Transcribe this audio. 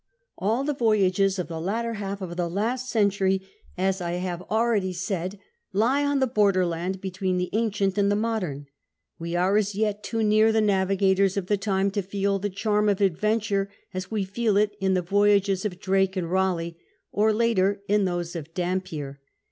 All the voyages of the latter half of the last century, as I have already said, lie on the borderland between the ancient and the modern. We are as yet too near the navigators of tlie time to feel the charm of adventure as we feel it in the voyages of Drake and Kalcigli, or later in those of Dampicr.